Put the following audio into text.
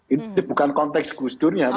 ini bukan konteks gus durnya